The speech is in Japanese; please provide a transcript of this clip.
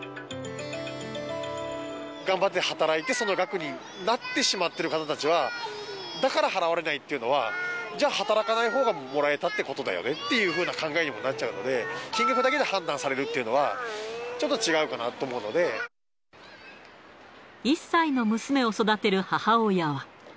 頑張って働いて、その額になってしまってる方たちは、だから払われないっていうのは、じゃあ働かないほうがもらえたってことだよねっていうふうな考えにもなっちゃうので、金額だけで判断されるっていうのは、ちょっ１歳の娘を育てる母親は。